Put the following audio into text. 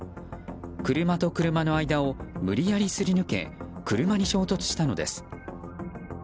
車と車の間を無理やりすり抜け車に衝突したのです。